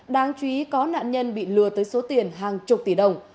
đáng chú ý có nạn nhân bị lừa tới số tiền hàng chục tỷ đồng